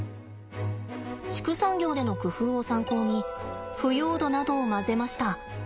畜産業での工夫を参考に腐葉土などを混ぜました。